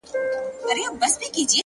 هم عقل وينم’ هم هوا وينم’ هم ساه وينم’